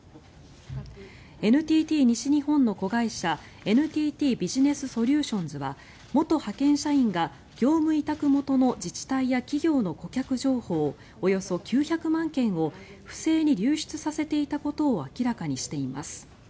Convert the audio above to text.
ＮＴＴ西日本の子会社ＮＴＴビジネスソリューションズは元派遣社員が業務委託元の自治体や企業の顧客情報およそ９００万件を不正に流出させていたことを明らかにしています。